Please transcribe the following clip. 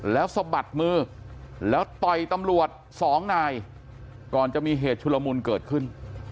แล้วสะบัดมือแล้วต่อยตำรวจสองนายก่อนจะมีเหตุชุลมุนเกิดขึ้น